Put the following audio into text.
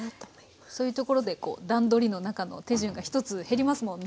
そういうところで段取りの中の手順が１つ減りますもんね。